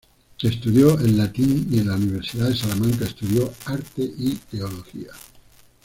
Estudió el Latín y en la Universidad de Salamanca estudió Artes y Teología.